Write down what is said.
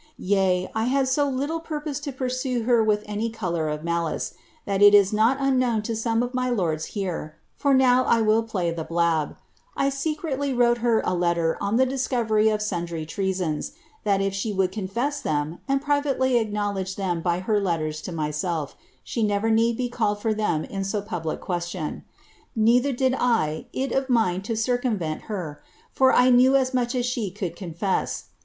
Yea, I had so little purpose to pursue her with any colour of malice, that it is not unknown to some >f my lords here (for now I will play the blab), I secretly wrote her a letter on he discovery of sundry treasons, that if she would confess them, and privately icknowledge them by her letters to myself, she never need be called for them n so public question. Neither did I it of mind to circumvent her ; for I knew w iDocb as she could confess.